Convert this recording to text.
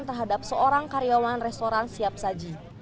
terhadap seorang karyawan restoran siap saji